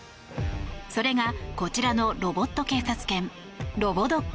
それが、こちらのロボット警察犬ロボドッグ。